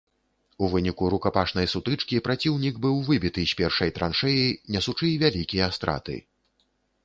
У выніку рукапашнай сутычкі праціўнік быў выбіты з першай траншэі, нясучы вялікія страты.